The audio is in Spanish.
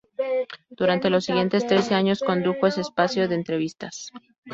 Durante los siguientes trece años condujo ese espacio de entrevistas.